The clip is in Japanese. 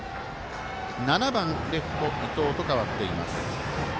７番レフト伊藤と変わっています。